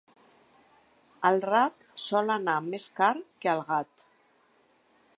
El rap sol anar més car que el gat.